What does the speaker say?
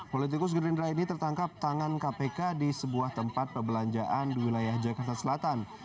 politikus gerindra ini tertangkap tangan kpk di sebuah tempat perbelanjaan di wilayah jakarta selatan